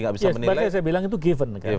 ya sebabnya saya bilang itu given